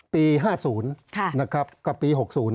ปี๕๐นะครับกับปี๖๐